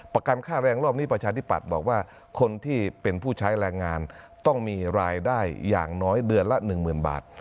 ประกันค่าแรงรอบนี้ประชาธิปัตย์บอกว่าคนที่เป็นผู้ใช้แรงงานต้องมีรายได้อย่างน้อยเดือนละ๑๐๐๐บาท